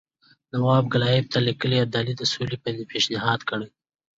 نواب کلایف ته لیکلي ابدالي د سولې پېشنهاد کړی.